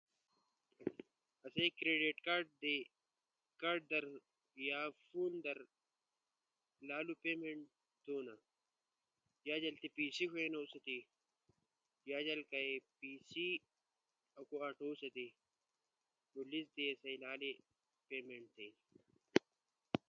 آسئی کریڈٹ کارڈ یا فون در لالو پیمنٹ تھونا۔ یا جیلتی پیسے ڇینوسیتی یا یا جل کئی پیسے آسو آٹو سی تھے نو لیس در آسو انلائین سسٹم در پیمنٹ تھے۔ انلائن سسٹم آسئی کارا لالو بہتر طریقہ ہنو۔